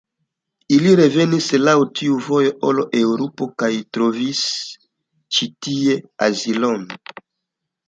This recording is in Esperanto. Ili revenis laŭ tiu vojo al Eŭropo kaj trovis ĉi tie azilon.